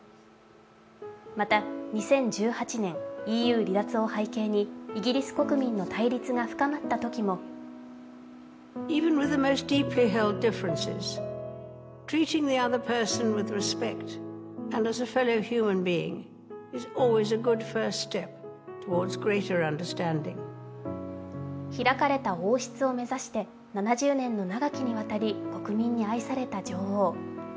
また２０１８年ＥＵ離脱を背景にイギリス国民の分断が深まったときも開かれた王室を目指して７０年の長きにわたり国民に愛された女王。